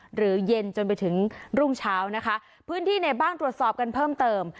หรือเย็นจนไปถึงรุ่งเช้านะคะพื้นที่ไหนบ้างตรวจสอบกันเพิ่มเติม